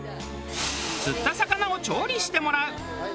釣った魚を調理してもらう。